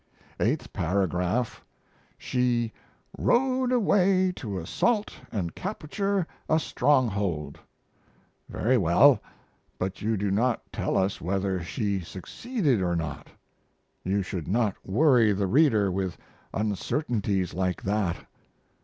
Eighth Paragraph. She "rode away to assault & capture a stronghold." Very well; but you do not tell us whether she succeeded or not. You should not worry the reader with uncertainties like that.